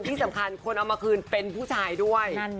ที่สำคัญคนเอามาคืนเป็นผู้ชายด้วย